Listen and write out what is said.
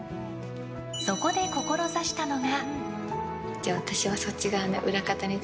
そこで志したのが。